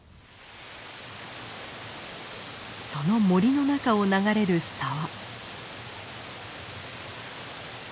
その森の中を流れる沢。